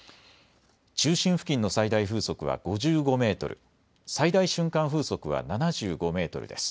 中心付近の最大風速は５５メートル、最大瞬間風速は７５メートルです。